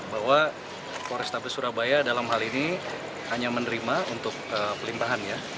bahwa polrestabes surabaya dalam hal ini hanya menerima untuk pelimpahan ya